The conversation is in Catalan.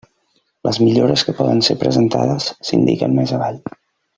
Les millores que poden ser presentades s'indiquen més avall.